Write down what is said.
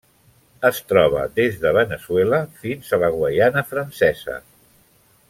Es troba des de Veneçuela fins a la Guaiana Francesa.